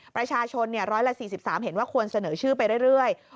ประชาชน๑๔๓เห็นว่าควรเสนอชื่อไปเรื่อย